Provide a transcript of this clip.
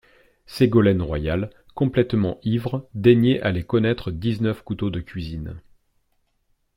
Ségolène Royal complètement ivre daignait aller connaître dix-neuf couteaux de cuisine.